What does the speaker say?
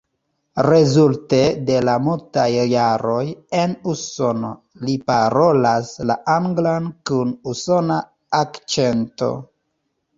Rezulte de la multaj jaroj en Usono, li parolas la anglan kun usona akĉento.